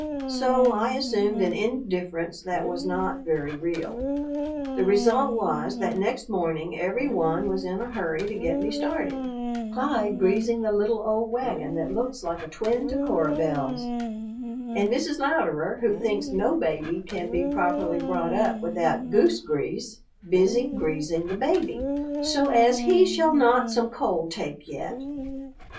So I assumed an indifference that was not very real. The result was that next morning every one was in a hurry to get me started, Clyde greasing the little old wagon that looks like a twin to Cora Belle's, and Mrs. Louderer, who thinks no baby can be properly brought up without goose grease, busy greasing the baby "so as he shall not some cold take yet."